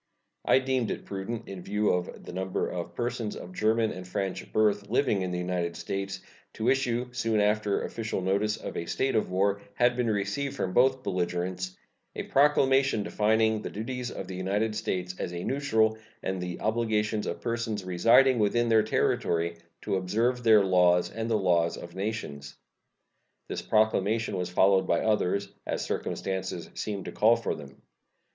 I deemed it prudent, in view of the number of persons of German and French birth living in the United States, to issue, soon after official notice of a state of war had been received from both belligerents, a proclamation defining the duties of the United States as a neutral and the obligations of persons residing within their territory to observe their laws and the laws of nations. This proclamation was followed by others, as circumstances seemed to call for them.